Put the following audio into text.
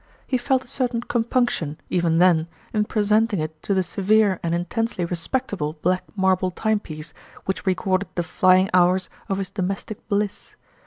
He felt a certain compunc tion, even then, in presenting it to the severe and intensely respectable black marble time piece which recorded the flying hours of his domestic bliss.